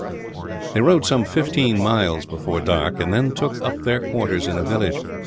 They rode some fifteen miles before dark, and then took up their quarters in a village.